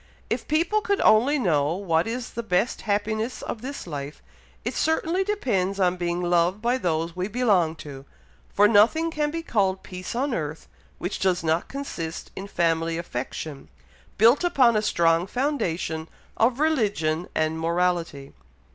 If people could only know what is the best happiness of this life, it certainly depends on being loved by those we belong to; for nothing can be called peace on earth, which does not consist in family affection, built upon a strong foundation of religion and morality."